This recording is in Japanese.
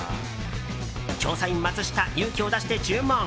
調査員マツシタ勇気を出して注文。